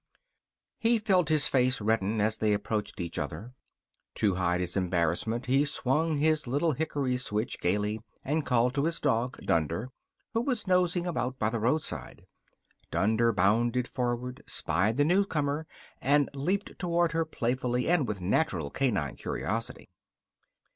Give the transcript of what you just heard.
He felt his face redden as they approached each other. To hide his embarrassment he swung his little hickory switch gaily and called to his dog Dunder, who was nosing about by the roadside. Dunder bounded forward, spied the newcomer, and leaped toward her playfully and with natural canine curiosity.